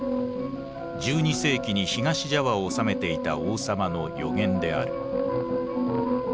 １２世紀に東ジャワを治めていた王様の予言である。